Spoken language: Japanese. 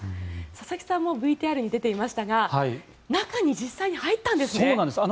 佐々木さんもＶＴＲに出ていましたが中に実際に入ったんですね。